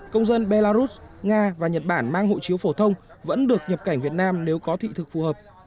công dân belarus nga và nhật bản mang hộ chiếu phổ thông vẫn được nhập cảnh việt nam nếu có thị thực phù hợp